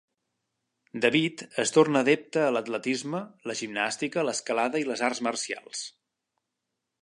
David es torna adepte a l'atletisme, la gimnàstica, l'escalada i les arts marcials.